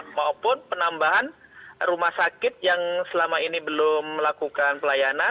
maupun penambahan rumah sakit yang selama ini belum melakukan pelayanan